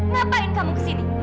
ngapain kamu kesini